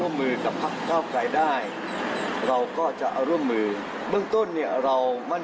เรื่องมาตรา๑๑๒แบบความเกล้าใกล้